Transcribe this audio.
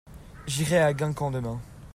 j'irai à Guingamp demain.